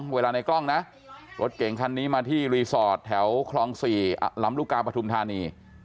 ในกล้องนะรถเก่งคันนี้มาที่รีสอร์ทแถวคลอง๔ลำลูกกาปฐุมธานี